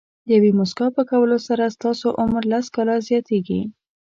د یوې موسکا په کولو سره ستاسو عمر لس کاله زیاتېږي.